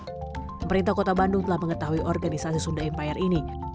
pemerintah kota bandung telah mengetahui organisasi sunda empire ini